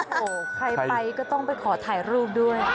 โอ้โหใครไปก็ต้องไปขอถ่ายรูปด้วย